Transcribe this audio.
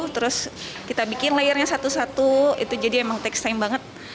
terus kita bikin layarnya satu satu jadi memang takes time banget